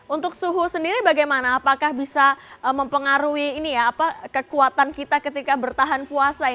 untuk suhu sendiri bagaimana apakah bisa mempengaruhi kekuatan kita ketika bertahan puasa